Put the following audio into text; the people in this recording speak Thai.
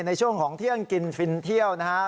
ในช่วงของเที่ยงกินฟินเที่ยวนะฮะ